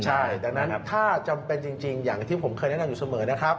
ใช่ดังนั้นถ้าจำเป็นจริงอย่างที่ผมเคยแนะนำอยู่เสมอนะครับ